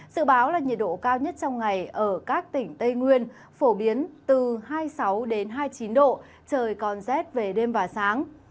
sự báo là nhiệt độ cao nhất trong ngày ở các tỉnh tây nguyên phổ biến từ hai mươi sáu hai mươi chín độ trời còn rét về đêm và sáng